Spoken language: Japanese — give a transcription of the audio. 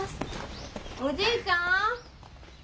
おじいちゃん。